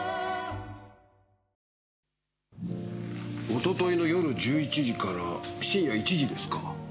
おとといの夜１１時から深夜１時ですか？